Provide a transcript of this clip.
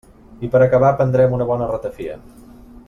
I per acabar prendrem una bona ratafia.